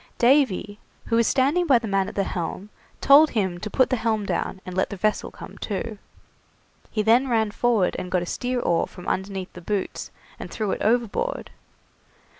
Davy, who was standing by the man at the helm, told him to put the helm down and let the vessel come to. He then ran forward and got a steer oar from underneath the boots, and threw it overboard.